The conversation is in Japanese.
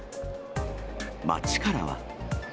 街からは。